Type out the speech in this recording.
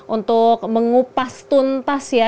untuk mengupas tuntas ya